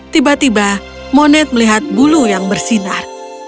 tiba tiba moned melihat bulu yang bersinar